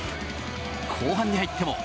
後半に入っても。